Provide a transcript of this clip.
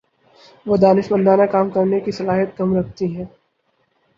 وہ دانشمندانہ کام کرنے کی صلاحیت کم رکھتی ہیں